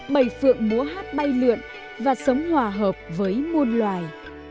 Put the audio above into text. bày phượng múa hát bay lượn và sống hòa hợp với môn loài